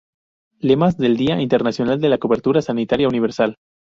Lemas del Día Internacional de la Cobertura Sanitaria Universal